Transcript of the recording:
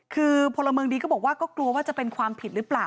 คือพลเมืองดีก็บอกว่าก็กลัวว่าจะเป็นความผิดหรือเปล่า